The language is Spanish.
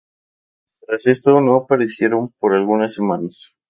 Tras esto, no aparecieron por algunas semanas.